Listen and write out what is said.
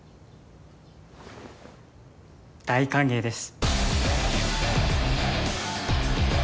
大歓迎です。